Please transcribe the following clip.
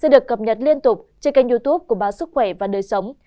xin được cập nhật liên tục trên kênh youtube của báo sức khỏe và đời sống